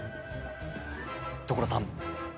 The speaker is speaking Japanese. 所さん！